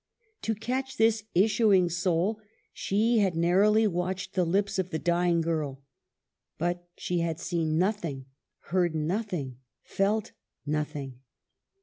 To catch this issuing soul she had narrowly watched the lips of the dying girl ; but she had seen nothing, heard nothing, felt nothing.